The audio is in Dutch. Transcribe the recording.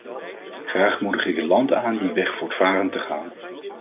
Graag moedig ik het land aan die weg voortvarend te gaan.